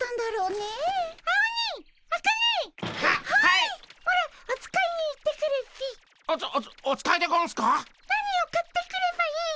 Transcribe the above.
何を買ってくればいいっピ？